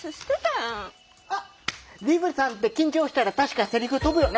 あっリブさんって緊張したら確かセリフ飛ぶよな。